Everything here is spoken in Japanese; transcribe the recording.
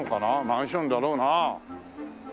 マンションだろうな。